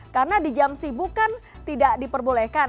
karena di jam sibuk kan tidak diperbolehkan